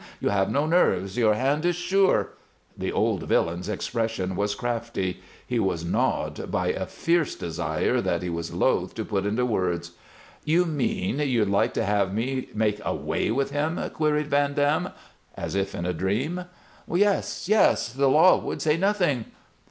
You have no nerves; your hand is sure " The old villain's expression was crafty; he was gnawed by a fierce desire that he was loath to put into words. "You mean you'd like to have me make away with him?" queried Van Dam, as if in a dream. "Yes, yes! The law would say nothing."